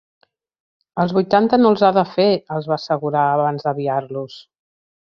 Els vuitanta no els ha de fer —els va assegurar, abans d'aviar-los.